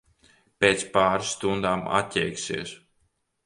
Pēc pāris stundām atjēgsies.